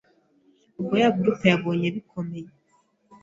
Ubwo ya groupe yabonye bikomeye